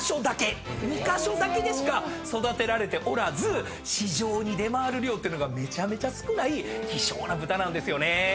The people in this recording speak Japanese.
２カ所だけでしか育てられておらず市場に出回る量ってのがめちゃめちゃ少ない希少な豚なんですよねぇ。